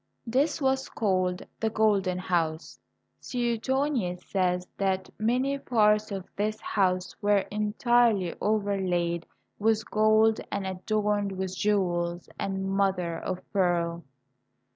This was called the Golden House. Suetonius says that many parts of this house were entirely overlaid with gold and adorned with jewels and mother of pearl.